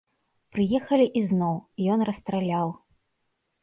Прыехалі ізноў, ён расстраляў.